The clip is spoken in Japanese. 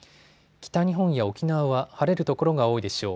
北日本や沖縄は晴れる所が多いでしょう。